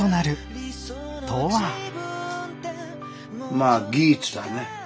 まあ技術だね。